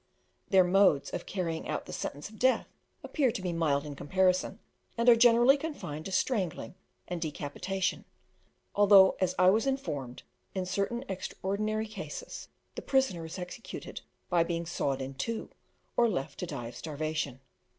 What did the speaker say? Their modes of carrying out the sentence of death appear to be mild in comparison, and are generally confined to strangling and decapitation, although, as I was informed, in certain extraordinary cases, the prisoner is executed by being sawed in two, or left to die of starvation.